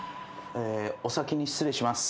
お先に失礼します。